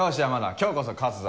今日こそ勝つぞ。